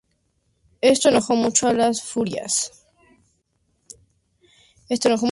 Esto enojó mucho a las furias quienes intentaron rebelarse.